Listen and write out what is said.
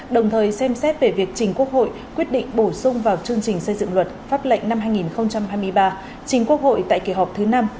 đồng thời xem xét về việc trình quốc hội quyết định bổ sung vào chương trình xây dựng luật pháp lệnh năm hai nghìn hai mươi ba chính quốc hội tại kỳ họp thứ năm